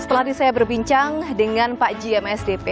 setelah ini saya berbincang dengan pak gmsdp